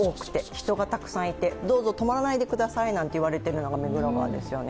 人がたくさんいてどうぞ止まらないでくださいなんて言われているのが目黒川ですよね。